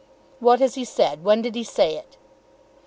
"What has he said? When did he say it?"